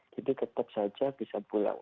jadi tetap saja bisa pulang